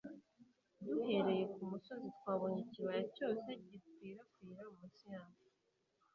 duhereye kumusozi, twabonye ikibaya cyose gikwirakwira munsi yacu